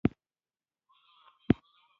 په اوسنی وخت کې د زده کړی بهیر تغیر کړی.